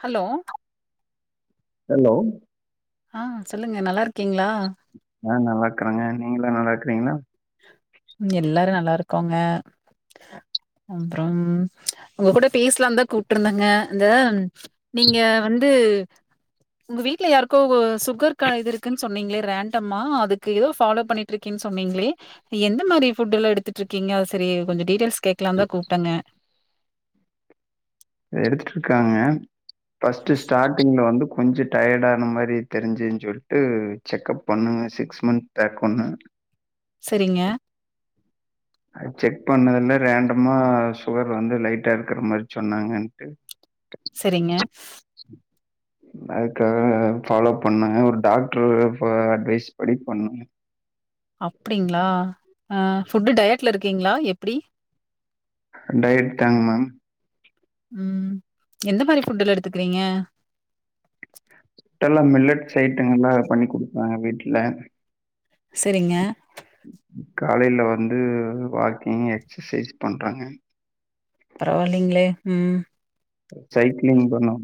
Hello hello ஆ சொல்லுங்க நல்லா இருக்கீங்ளா? ஆ நல்லாக்றாங்க நீங்கள்லா நல்லாக்றீங்ளா ம் எல்லாரு நல்லாருக் கோங்க அப்றம் உங்க கூட பேசுலாந்தா கூப்ட்ருந்தங்க இந்த நீங்க வந்து உங்க வீட்ல யாருக்கோ ஒ சுகர் க இது இருக்குன்னு சொன்னீங்களே ரேண்டமா அதுக்கு எதோ ஃபாலோ பண்ணிட்ருக்கேனு சொன்னீங்களே எந்த மாரி ஃபுட்டெல்லா எடுத்துட்ருக்கீங்ளா செரி கொஞ்ச டீட்டைல்ஸ் கேக்லாந்தா கூப்ட்டங்க எடுத்துட்டுருக்காங்க ஃபர்ஸ்ட்டு ஸ்டார்ட்டிங்ல வந்து கொஞ்ச டயர்டான மாரி தெரிஞ்சின்னு சொல்ட்டு செக்கப் பண்ணுங்க சிக்ஸ் மந்த் பேக் ஒன்னு செரிங்க அது செக் பண்ணதுல ரேண்டமா சுகர் வந்து லைட்டா இருக்கற மாரி சொன்னாங்கன்ட்டு செரிங்க அதுக்காக ஃபாலோ பண்ணுங்க ஒரு டாக்ட்ரு ப அட்வைஸ்ப் படி பண்ணுங்க அப்டிங்ளா ஆ ஃபுட்டு டயட்ல இருக்கீங்ளா எப்டி டயட் தாங்க மேம் உம் எந்த மாரி ஃபுட்டெல்லா எடுத்துக் வீங்க [unintelligible] மில்லட்ஸ் ஐட்டங்களா பண்ணி குடுப்பாங்க வீட்ல செரிங்க காலைல வந்து வாக்கிங் எக்சசைஸ் பண்றங்க பரவாயில்லிங்ளே ம் சைக்ளிங் பண்ணு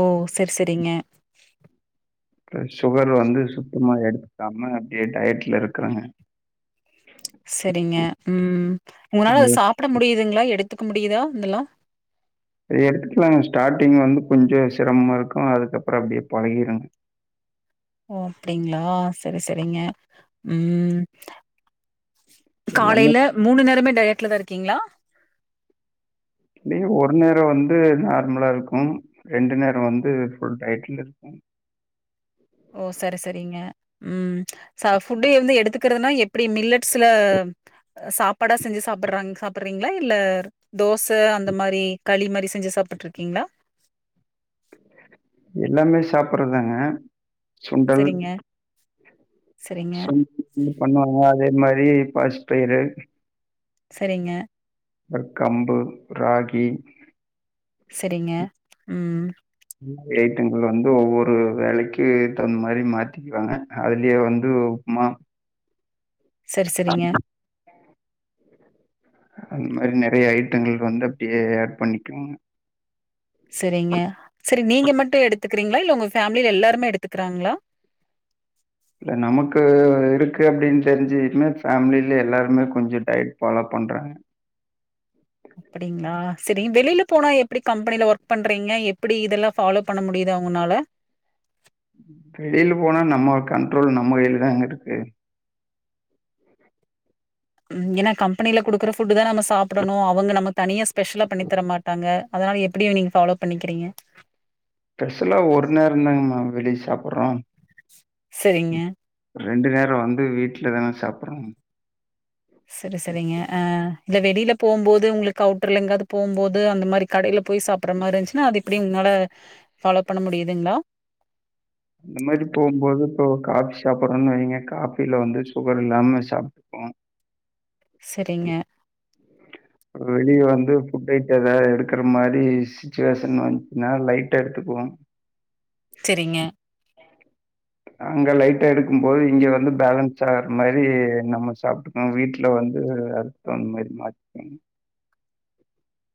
ஓ செரி செரிங்க இப்ப சஷுகர் வந்து சுத்தமா எடுத்துக்காம அப்டியே டயட்ல இருக்கறங்க செரிங்க ம் உங்னால அத அது சாப்ட முடியுதுங்ளா எடுத் த்துக்க முடியுதா இதுல்லா எடுத்துக்குலாங்க ஸ்டார்ட்டிங் வந்து கொஞ்ச சிரமமாருக்கு அதுக்கப்ற அப்டியே பழகிருங்க ஓ அப்டிங்ளா சரி சரிங்க ம் எல்லாமே காலைல மூணு நேரமே டயட்லதா இருக்கிங்ளா இல்லயே ஒரு நேரொ வந்து நார்மலாருக்கு ரெண்டு நேரொ வந்து ஃபுல் டயட்லருக்கு ஓ சரி சரிங்க ம் ச ஃபுட்டு வந்து எடுத்துக்றதுனா எப்டி மில்லட்ஸ்ல சாப்பாடா செஞ்சு சாப்புடுறாங் சாப்புடுறீங்ளா இல்ல தோச அந்த மாரி களி மாரி செஞ்சு சாப்டிட்ருக்கீங்ளா எல்லாமே சாப்பட்றதாங்க சுண்டல் சரிங்க, சரிங்க, [unintelligible] பண்ணுவாங்க அதே மாரி தே பாசிப்பயிறு செரிங்க [unintelligible] கம்பு ராகி செரிங்க ம் ஏட்டங்கள் வந்து ஒவ்வொரு வேலைக்கு எத்த மாரி மாத்திக்குவாங்க அதுலே வந்து உப்மா சரி சரிங்க அந்த மாரி நறைய ஐட்டங்கள் வந்து அப்டியே ஆட் பண்ணிக்குங்க சரிங்க சரி நீங்க மட்டு எடுத்துக்றீங்ளா இல்ல உங்க ஃபேமிலில எல்லாருமே எடுத்துக்குறாங்ளா இல்ல நமக்கு இருக்கு அப்படின் தெரிஞ்யிமே ஃபேமில எல்லாருமே கொஞ்ச டயட் ஃபாலோ பண்றாங்க அப்டிங்ளா சரி வெளில போனா எப்டி கம்பெனில ஒர்க் பண்றீங்க எப்டி இதெல்லா ஃபாலோ பண்ண முடியுது அவங்கனால வெளில போனா நம்ம கண்ட்ரோல் நம்ம கைல தாங்கருக்கு ம் ஏனா கம்பனில குடுக்குற ஃபுட்டு தா நம்ம சாப்டணு அவங்க நம்ம தனியாக ஸ்பெஷலாக பண்ணித்தர மாட்டாங்க அதனால எப்டியு நீங்க ஃபாலோ பண்ணிக்கிறீங்க பெஷலா ஒரு நேரந்தாங் மேம் வெளிய சாப்புறோ சரிங்க ரெண்டு நேரோ வந்து வீட்டுலதான சாப்புறோ செரி செரிங்க ஆ இந்த வெளில போம்போது உங்களுக்கு அவுட்டர்ல எங்காவது போம்போது அந்த மாதிரி கடையில போய் சாப்பிற மாதிரி இருந்துச்சுன்னா அது இப்டி உங்களனால ஃபாலோ பண்ண முடியுதுங்ளா அந்த மாரி போம்போது இப்போ காபி சாப்பிடுறோம்ன்னு வைங்க காபில வந்து சுகர் இல்லாம சாப்பிட்ப்போ செரிங்க வெளியே வந்து புஃட் டைட்டு ஏதது எடுக்கிற மாரி சிச்சுவேஷன் வந்துச்சுன்னா லைட்டா எடுத்துக்குவோ செரிங்க அங்க லைட்டா எடுக்கும் போது இங்க வந்து பேலன்ஸ் ஆகுற மாரி நம்ம சாப்ட்டுக்கோ வீட்டுல வந்து அறுத்தந்த மாரி மாத்திக்கோங்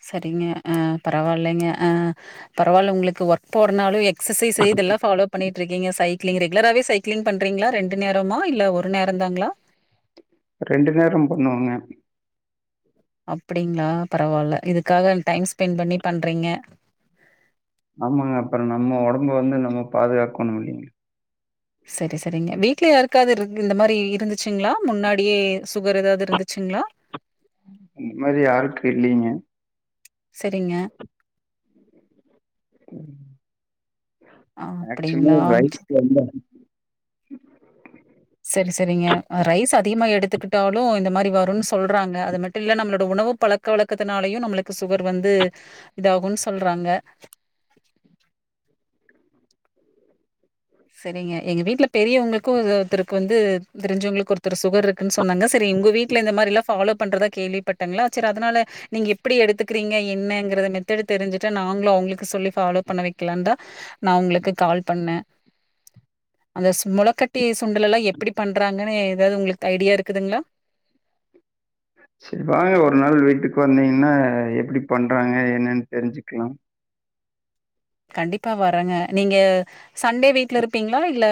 செரிங்க ஆ பரவால்லங்க ஆ பரவால்ல உங்களுக்கு ஒர்க் போறனாலு எக்சைஸ் இதெல்லாம் ஃபாலோ பண்ணட்டு இருக்கீங்க சை ங்க ரெகுலராவே சைக்ளிங் பண்றீங்களா ரெண்டு நேரமா இல்ல ஒரு நேரம் தாங்களா ரெண்டு நேரம் பண்ணுவேங்க அப்டிங்களா பரவால்ல இதுக்காக டைம் ஸ்பெண்ட் பண்ணி பண்றீங்க ஆமாங்க அப்பறம் நம்ம ஒடம்பு வந்து நம்ம பாதுகாக்கணு இல்லைங்க செரி செரிங்க வீடல யாக்காவது இந்த மாதிரி இருந்துச்சுங்களா முன்னாடியே சுகர் ஏதாவது இருந்துச்சுங்களா அந்த மாரி யாருக்கு இல்லலைங்க செரிங்க அ அட்சுலி அப்படிங்களா? ரைட வந்த ம் செரி செரிங்க ரைஸ் அதிகமா எடுத்துக்கிட்டாலு இந்த மாதிரி வருன்னு சொல்றாங்க அது மட்டும் இல்ல நம்மளோட உணவு பழக்க வழக்கத்துனாலயு நம்மளுக்கு சுகர் வந்து இதாகுன்னு சொல்றாங்க செரிங்க எங்க வீட்டுல பெரியவங்களுக்கு ஒருத்தருக்கு வந்து தெரிஞ்சவங்களுக்கு ஒருத்தர் சுகர் இருக்குன்னு சொன்னாங்க செரி உங்க வீட்டுல இந்த மாதிரி எல்லாம் ஃபாலோ பண்றதா கேள்விப்பட்டங்களா செரி அதனால நீங்க எப்டி எடுத்துக்கறீங்க என்னங்கறத மெத்தடு தெரிஞ்சுட்டா நாங்களும் அவங்களுக்கு சொல்லி ஃபாலோ பண்ண வைக்கலாம்னு தான் நான் உங்களுக்கு கால் பண்ணே அந்த முளக்கட்டி சுண்டல எல்லாம் எப்படி பண்றாங்கன்னு ஏதாவது உங்களுக்கு ஐடியா இருக்குதுங்களா செரி வாங்க ஒரு நாள் வீட்டுக்கு வந்தீங்கன்னா எப்டி பண்றாங்க என்னன்னு தெரிஞ்சுக்கலாம் கண்டிப்பா வரேங்க நீங்க சண்டே வீட்ல இருப்பீங்ளா இல்ல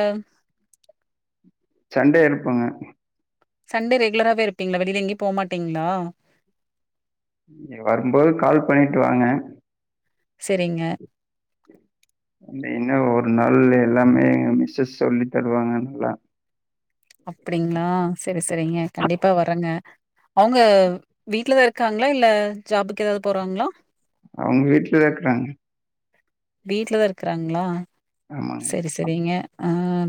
சண்டை எருப்பேங்க சண்டே ரெகுலராவே இருப்பீங்களா வெளியில எங்கயுமே போமாட்டீங்ளா வரும்போது கால் பண்ணிட்டு வாங்க செரிங்க இன்னு ஒரு நாள் எல்லாமே எங்க மிசஸ் சொல்லி தருவாங்க நல்லா அப்டிங்களா செரி செரிங்க கண்டிப்பாக வரேங்க அவங்க வீட்லதான் இருக்காங்களா இல்ல ஜாபுக்கு ஏதாவது போறாங்ளா அவங்க வீட்டுல தா இருக்குறாங்க வீட்டுலத இருக்கறாங்ளா ஆமாங்க. செரி செரிங்க ஆ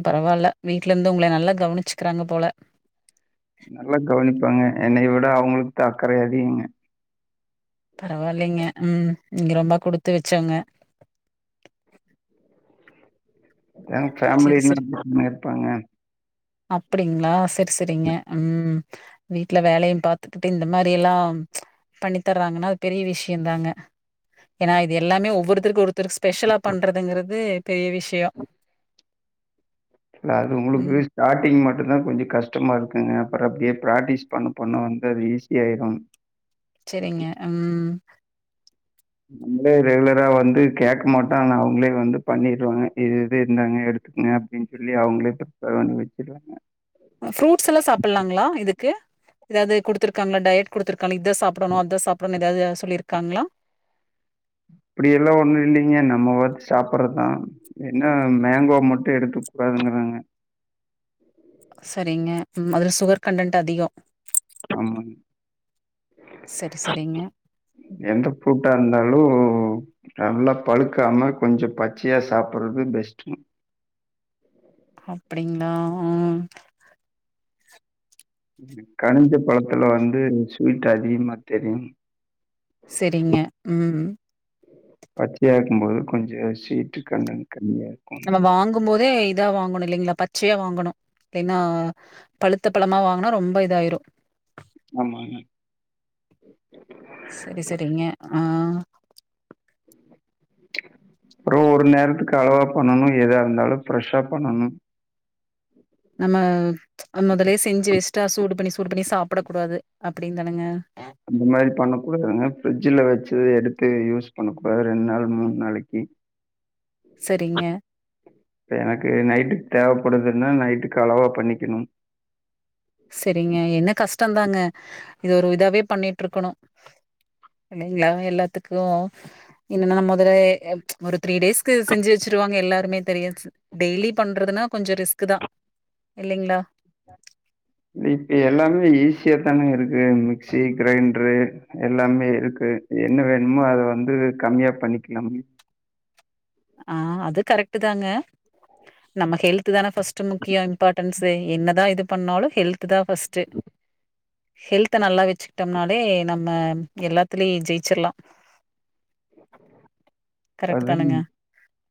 பரவால்ல வீட்ல இருந்து உங்களை நல்லா கவனிச்சுக்கிறாங்க போல நல்லா கவனிப்பாங்க என்னைய விட அவங்களுக்கு த அக்கறை அதிகங்க பரவாயில்லைங்க ம் நீங்க ரொம்ப குடுத்து வச்சோங்க ஏ ஃபேமிலி எல்லண்ண இருப்பேங்க அப்டிங்ளா செர் பேசரிங்க ம் வீட்டுல வேலையும் பாத்துக்கிட்டு இந்த மாதிரி எல்லாம் பண்ணி தர்றாங்கன்னா அது பெரிய விஷயம் தாங்க ஏன்னா இது எல்லாமே ஒவ்வொருத்தருக்கும் ஒருத்த ஒத்தருக்கு ஸ்பெஷலா பண்றதுங்கிறது பெரிய விஷயம் இல்ல அது ம். உங்களுக்கு ஸ்டாட் ங் மட்டும் தான் கொஞ்சம் கஷ்டமா இருக்குங்க அப்புறம் அப்படியே பிராக்டிஸ் பண்ண பண்ண வந்து அது ஈஸி ஆயிரும் சரிங்க ம் நம்மளே ரெகுலரா வந்து கேட்க மாட்டோம் ஆனா அவங்களே வந்து பண்ணிருவாங்க இது இது இந்தாங்க எடுத்துக்கங்க அப்படின்னு சொல்லி அவங்களே பிரிப்பேர் பண்ணி வச்சிருவாங்க ஃப்ரூட்ஸ் எல்லாம் சாப்டலாங்களா இதுக்கு ஏதாவது குடுத்துருக்காங்களா டயட் குடுத்துருக்காங்களா இத சாப்பிடணும் அத சாப்பிடும் ஏதாவது சொல்லியிருக்காங்களா அப்படிய எல்லாம் ஒண்ணும் இல்லைங்க நம்ம பார்த்து சாப்பிடறதுதான் என்ன மேங்கோ மட்டும் எடுத்து கூடாதுங்கறாங்க சரிங்க அதுல சுகர் கண்டன்ட் அதிகம் ஆமாங் சரி, சரிங்க. எந்த ப்ரூட்டா இருந்தாலும் நல்லா பழுக்காம கொஞ்சம் பச்சையா சாப்படுறது பெஸ்ட் அப்படிங்களா ம் கனிஞ்ச பழத்துல வந்து ஸ்வீட் அதிகமா தெரியும் சரிங்க ம் பச்சயா இருக்கும்போது கொஞ்சம் ஸ்வீட்டு கண்டேன்ட் நம்ம வாங்கும் போதே இதா வாங்கணும் இல்லைங்களா பச்சையா வாங்கணும் இல்லைனா பழுத்த பழமா வாங்கனா ரொம்ப இதாயிரும் ஆமாங்க. சரி சரிங்க ஆ அப்புறம் ஒரு நேரத்துக்கு அளவா பண்ணணும் ஏதா இருந்தாலும் ஃப்ரெஷா பண்ணணும் நம முதலயே செஞ்சி வெச்சு ஸ்ட்டா சூடு பண்ணி சூடு பண்ணி சாப்டக்கூடாது அப்டினு தானுங்க அந்த மாரி பண்ணக்கூடாதுங்க ஃபரிட்ஜ்ல வெச்சது எடுத்து யூஸ் பண்ண கூடாது ரெண்டு நாள் மூணு நாளைக்கு செரிங்க இப்ப எனக்கு நைட்டுக்கு தேவைப்படுதுன்னா நைட்டுக்கு அளவா பண்ணிக்கணும் செரிங்க என்ன கஷ் டந்தாங்க இது ஒரு இதாவே பண்ணிட்டு இருக்கணு இல்லைங்களா எல்லாத்துக்கோ என்னனா முதல ஒரு த்ரீ டேஸ்கு செஞ்சு வச்சிருவாங்க எல்லாருமே தெரிஸ் டெய்லி பண்றதுன்னா கொஞ்சோ ரிஸ்க் தா இல்லைங்களா இப்ப எல்லாமே ஈஸியா தானங்க இருக்கு மிக்சி கிரைண்டரு எல்லாமே இருக்கு என்ன வேணுமோ அத வந்து கம்மியா பண்ணிக்கலாமே ஆ அது கரெக்டுதாங்க நம்ம ஹெல்த் தானே ஃபர்ஸ்ட் முக்கியோ இம்பார்ட்டன்ஸ்சு என்னதா இது பண்ணாலு ஹெல்த் தா ஃபர்ஸ்ட்டு ஹெல்த நல்லா வச்சுக்கிட்டோம்னாலே நம்ம எல்லாத்துலயு ஜெயிச்சிடலா அத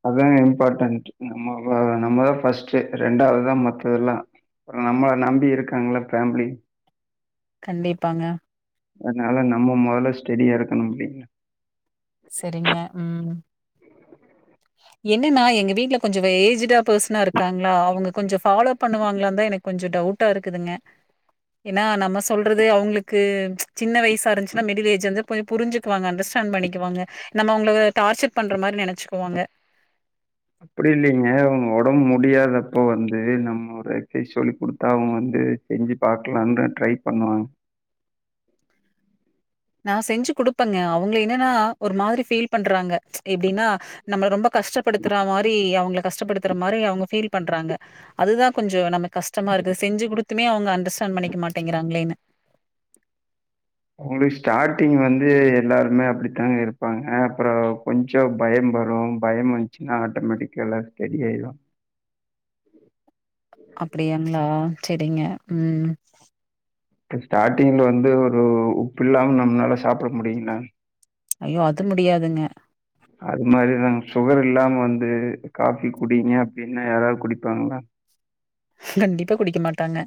அதாங்க இம்பார்டன்ட் நம்ம வா நம்மதா ஃபர்ஸ்ட்டு ரெண்டாவதுதா மத்ததெல்லா அப்புற நம்மள நம்பி இருக்காங்கள ஃபேமிலி கண்டிப்பாங்க அதனால நம்ம முதல்ல ஸ்டேடியா இருக்கணும் இல்லிங்கலா செரிங்க ம் என்னென்னா எங்க வீட்ல கொஞ்சோ இவ ஏஜ்டா பெஸ்னா இருக்காங்களா அவுங்க கொஞ்சோ ஃபாலோ பண்ணுவாங்களான்தா எனக் கொஞ்சோ டவுட்டா இருக்குதுங்க என்னா நம்ம சொல்றது அவுங்குளுக்கு சின்ன வயசா இருஞ்ச்சுனா மிடில் ஏஜா இந்தா போய் புரிஞ்சுக்குவாங்க அண்டஸ்டாண் பண்ணிக்குவாங்க நம்ம அவுங்ள டார்ச்சர் பண்ற மாரி நெனச்சு போவாங்க அப்பிடி இல்லீங்க அவுங்க ஒடம் முடியாதப்ப வந்து நம்ம ஒரு எக்சைஸ் சொல்லி குடுத்தா அவுங்க வந்து செஞ்சு பாக்லான்தா ட்ரை பண்ணுவா நா செஞ்சு குடுப்பங்க அவுங்ள என்னென்னா ஒரு மாதிரி ஃபீல் பண்றாங்க எப்டின்னா நம்மள ரொம்ப கஷ்டப்படுத்துறா மாரி அவுங்க கஷ்டப்படுத்துற மாரி அவுங்க ஃபீல் பண்றாங்க அதுதா கொஞ்சோ நம்ம கஷ்டமா இருக்குது செஞ்சு குடுத் த்துமே அவுங்க அண்டஸ்டாண்ட் பண்ணிக்க மாட்டேங்கிறாங்ளேனு உங்குளு ஸ்டாட்டிங் வந்து எல்லாருமே அப்பிடித்தாங்க இருப்பாங்க அப்றோ கொஞ்சோ பயம் வரு பயம் வஞ்சுன்னா ஆட்டோமேட்டிக்கா எல்லாது ஸ்டெடி ஆயிரு அப்பிடியாங்ளா செரிங்க ம் ப்ப ஸ்டாட்டிங்ல வந்து ஒரு உப்பு இல்லாம் நம்னால சாப்ட முடியுங்ளாங் ஐயோ அது முடியாதுங்க அது மாரிதாங் சுகர் இல்லாம வந்து காஃபி குடிங்க அப்டின்னா யாராவ் குடிப்பாங்ளா கண்டிப்பா குடிக்க மாட்டாங்க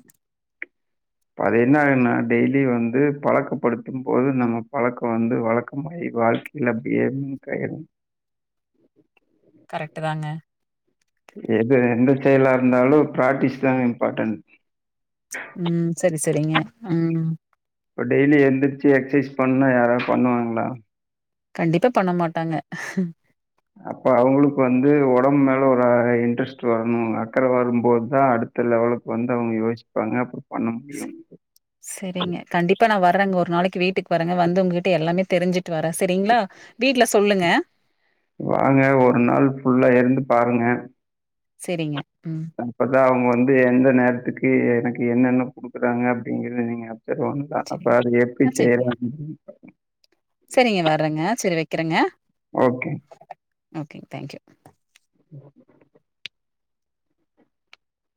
ப்ப அது என்னாகுன்னா டெய்லி வந்து பழக்கப்படுத்தும் போது நம்ம பழக்கொ வந்து வழக்கமாயி வாழ்க்கைல அப்டியே லிங்க் ஆயிரு கரக்ட்டு தாங்க எது எந்த செய்லா இருந்தாலு பிராட்டிஸ் தாங்க இம்பாட்டன் ம் செரி செரிங்க ம் இப்ப டெய்லி எந்துர்ச்சி எக்சைஸ் பண்ணா யாராவ் பண்ணுவாங்ளா கண்டிப்பா பண்ண மாட்டாங்க அப்ப அவுங்குளுக்கு வந்து ஒடம் மேல ஒரு அ இன்ட்ரெஸ்ட் வரணுங் அக்கற வரும் போத்தா அடுத்த லெவலுக்கு வந்து அவுங்க யோசிப்பாங்க அப்ற செ செரிங்க கண்டிப்பா நா வர்றங்க ஒரு நாளை வீட்டுக் வரங்க வந்து உங்க கிட்ட எல்லாமே தெரிஞ்சி ட்டு வரே செரிங்ளா வீட்ல ஸ் சொல்லுங்க வாங்க ஒரு நாள் ஃபுல்லா இருந்து பாருங்க செரிங்க ம் அ இப்பதா அவுங் வ ந்து எந்த நேரத்துக்கு எ எனக்கு என்னென்ன குடுக்குறாங்க அப்டிங்கிறது நீங்க செரி ஒன்தா அப்ப செரிங்க அது எப்டி தேற [unintelligible] சரிங்க வரங்க செரி வெக்கிறங்க ஓகே. ஓகேங் தேங்க் யூ உம் [inaudible]